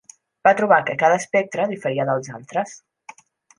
Va trobar que cada espectre diferia dels altres.